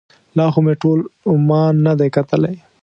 لا خو مې ټول عمان نه دی کتلی.